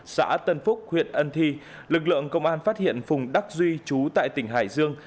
xã tân phúc huyện ân thi lực lượng công an phát hiện phùng đắc duy chú tại tỉnh hải dương